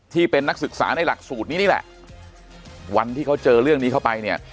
ที่เป็นนักศึกษาในหลักสูตรนี้นี่แหละวันที่เขาเจอเรื่องนี้เข้าไปเนี่ย